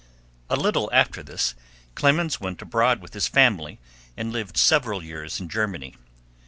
XVII. A little after this Clemens went abroad with his family, and lived several years in Germany.